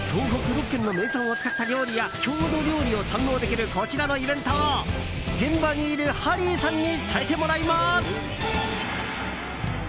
６県の名産を使った料理や郷土料理を堪能できるこちらのイベントを現場にいるハリーさんに伝えてもらいます！